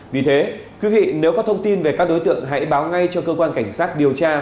vì thế quý vị nếu có thông tin về các đối tượng hãy báo ngay cho cơ quan cảnh sát điều tra